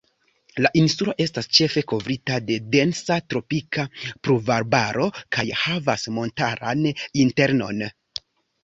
La insulo estas ĉefe kovrita de densa tropika pluvarbaro kaj havas montaran internon.